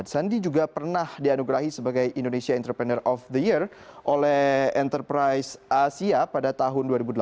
sandi juga pernah dianugerahi sebagai indonesia entrepreneur of the year oleh enterprise asia pada tahun dua ribu delapan